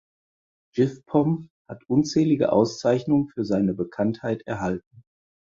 Jiffpom hat unzählige Auszeichnungen für seine Bekanntheit erhalten.